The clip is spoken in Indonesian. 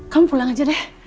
kamu pulang aja deh